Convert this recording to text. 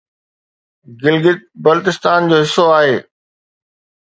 گلگت بلتستان جو حصو آهي